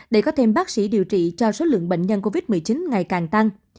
để có thêm bác sĩ điều trị cho số lượng bệnh nhân covid một mươi chín ngày càng tăng